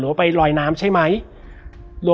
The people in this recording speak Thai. แล้วสักครั้งหนึ่งเขารู้สึกอึดอัดที่หน้าอก